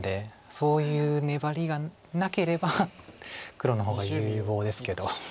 そういう粘りがなければ黒の方が有望ですけど。